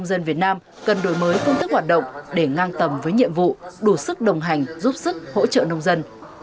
an tầm với nhiệm vụ đủ sức đồng hành giúp sức hỗ trợ nông dân